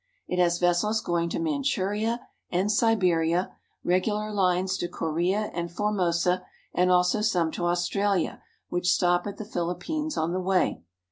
It has vessels going to Manchuria and Siberia, regular lines to Korea and Formosa, and also some to Australia which stop at the Philippines on the way.